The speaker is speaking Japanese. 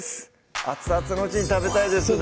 熱々のうちに食べたいですね